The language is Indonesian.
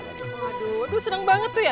aduh senang banget tuh ya